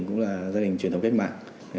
cũng là gia đình truyền thống kết mạng